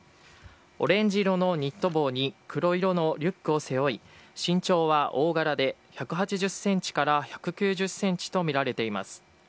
オレンジ色のニット帽に、黒色のリュックを背負い、身長は大柄で１８０センチから１９０センチと見られています。